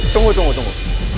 tunggu tunggu tunggu